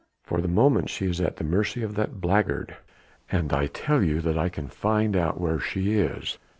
"For the moment she is at the mercy of that blackguard...." "And I tell you that I can find out where she is."